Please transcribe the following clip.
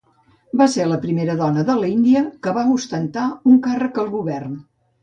Va ser la primera dona de l'Índia que va ostentar un càrrec al govern.